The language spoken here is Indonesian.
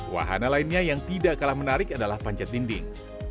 wahana lainnya yang tidak kalah menarik adalah panjat dinding